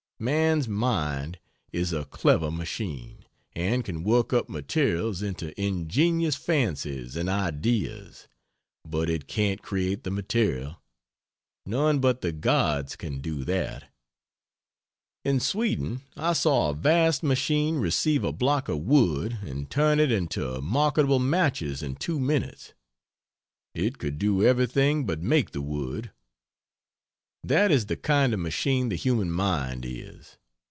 Man's mind is a clever machine, and can work up materials into ingenious fancies and ideas, but it can't create the material; none but the gods can do that. In Sweden I saw a vast machine receive a block of wood, and turn it into marketable matches in two minutes. It could do everything but make the wood. That is the kind of machine the human mind is.